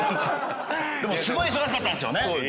でもすごい忙しかったんすよね？